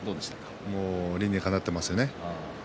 理にかなっていますね。